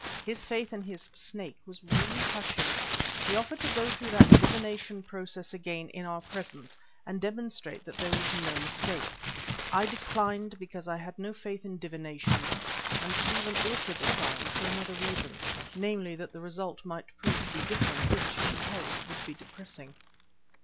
His faith in his "Snake" was really touching. He offered to go through that divination process again in our presence and demonstrate that there was no mistake. I declined because I had no faith in divinations, and Stephen also declined, for another reason, namely that the result might prove to be different, which, he held, would be depressing.